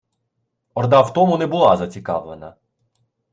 Орда в тому не була зацікавлена